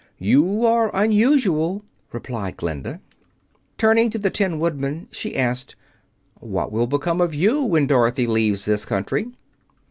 "You are unusual," replied Glinda. Turning to the Tin Woodman, she asked, "What will become of you when Dorothy leaves this country?"